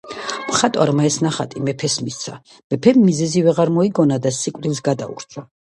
მხატვარმა ეს ნახატი მეფეს მისცა. მეფემ მიზეზი ვეღარ მოიგონა და სიკვდილს გადაურჩა